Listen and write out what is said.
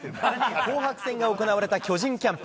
紅白戦が行われた巨人キャンプ。